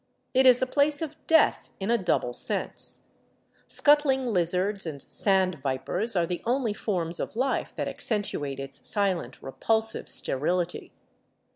It is a place of death in a double sense. Scuttling lizards and sand vipers are the only forms of life that accentuate its silent, repulsive sterility.